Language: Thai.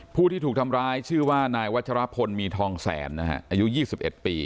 ผู้ที่ถูกทำร้ายชื่อว่านายวัชรพลมีทองแสนนะฮะอายุยี่สิบเอ็ดปี